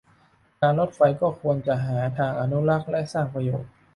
การรถไฟก็ควรจะหาทางอนุรักษ์ และ สร้างประโยชน์